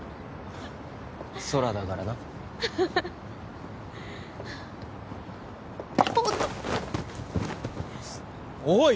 空だからなおっとおい